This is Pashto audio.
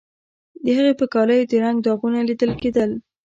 د هغې په کالیو د رنګ داغونه لیدل کیدل